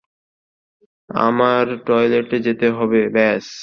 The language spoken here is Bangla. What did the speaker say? আমার টয়লেটে যেতে হবে ব্যস।